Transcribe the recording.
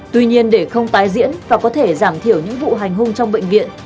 tuy nhiên để không tái diễn và có thể giảm thiểu những vụ hành hung trong bệnh viện